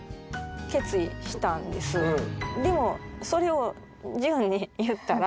でもそれをジュンに言ったら。